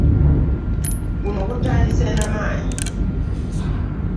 Guno gutandise na maanyi.